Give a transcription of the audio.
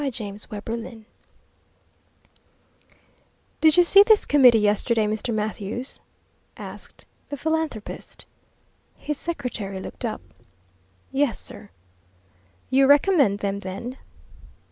JAMES WEBER LINN "Did you see this committee yesterday, Mr. Mathews?" asked the philanthropist. His secretary looked up. "Yes, sir." "You recommend them then?"